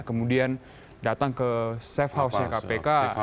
kemudian datang ke safe house nya kpk